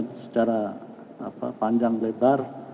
secara panjang lebar